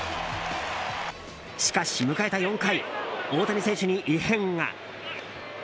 しかし、迎えた４回大谷選手に異変が。